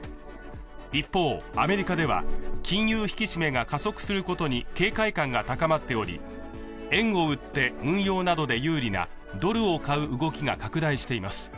一方、アメリカでは金融引き締めが加速することに警戒感が高まっており、円を売って運用などで有利なドルを買う動きが拡大しています。